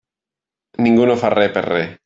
Ningú no fa res per res.